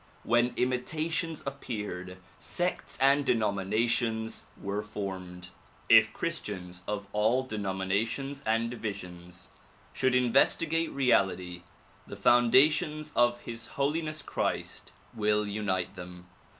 When imitations appeared, sects and denominations were formed. If Christians of all denominations and divisions should investi gate reality, the foundations of His Holiness Christ will unite them.